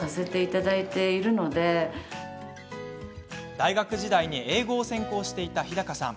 大学時代に英語を専攻していた日高さん。